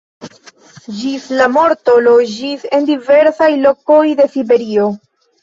Ĝis la morto loĝis en diversaj lokoj de Siberio.